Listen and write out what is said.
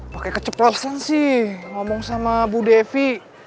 pakai keceplosan sih ngomong sama bu devi